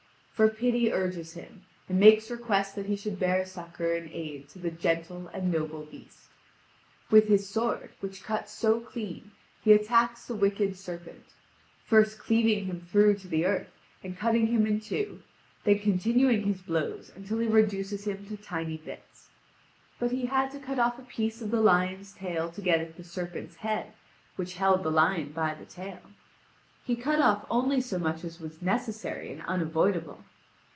For pity urges him and makes request that he should bear succour and aid to the gentle and noble beast. With his sword, which cuts so clean, he attacks the wicked serpent, first cleaving him through to the earth and cutting him in two, then continuing his blows until he reduces him to tiny bits. But he had to cut off a piece of the lion's tail to get at the serpent's head, which held the lion by the tail. He cut off only so much as was necessary and unavoidable.